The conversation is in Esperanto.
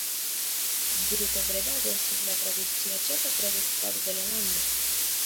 Brutobredado estas la tradicia ĉefa produktado de la lando.